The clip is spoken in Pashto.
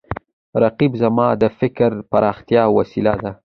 رقیب زما د فکر د پراختیا وسیله ده